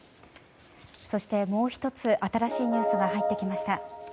そしてもう１つ新しいニュースが入ってきました。